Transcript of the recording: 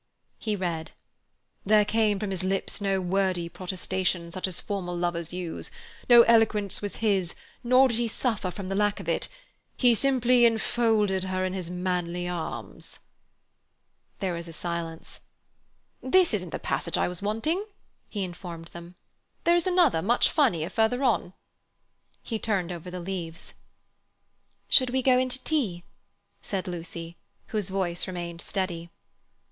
He read: "'There came from his lips no wordy protestation such as formal lovers use. No eloquence was his, nor did he suffer from the lack of it. He simply enfolded her in his manly arms.'" "This isn't the passage I wanted," he informed them, "there is another much funnier, further on." He turned over the leaves. "Should we go in to tea?" said Lucy, whose voice remained steady.